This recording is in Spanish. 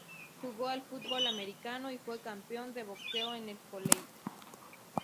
Jugó al fútbol americano y fue campeón de boxeo en el college.